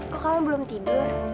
kok kamu belum tidur